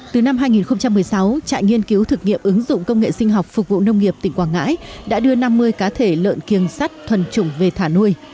từ năm hai nghìn một mươi sáu trại nghiên cứu thực nghiệm ứng dụng công nghệ sinh học phục vụ nông nghiệp tỉnh quảng ngãi đã đưa năm mươi cá thể lợn kiêng sắt thuần trùng về thả nuôi